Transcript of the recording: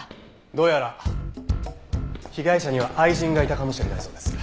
どうやら被害者には愛人がいたかもしれないそうです。